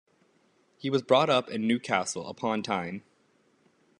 He was brought up in Newcastle upon Tyne.